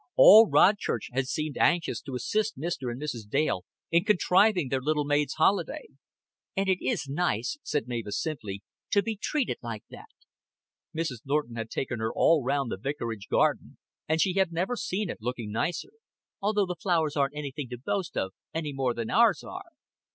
All Rodchurch had seemed anxious to assist Mr. and Mrs. Dale in contriving their little maid's holiday. "And it is nice," said Mavis simply, "to be treated like that." Mrs. Norton had taken her all round the vicarage garden, and she had never seen it looking nicer. "Although the flowers aren't anything to boast of, any more than ours are."